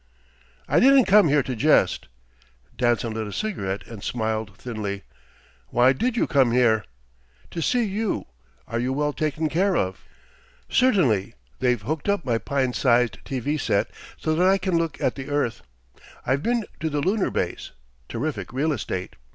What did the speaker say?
"I didn't come here to jest." Danson lit a cigarette and smiled thinly. "Why did you come here?" "To see you. Are you well taken care of?" "Certainly. They've hooked up my pint sized T.V. set so that I can look at the earth. I've been to the Lunar Base ... terrific real estate.